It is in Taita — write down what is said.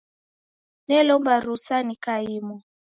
Nelomba rusa nikaimwa.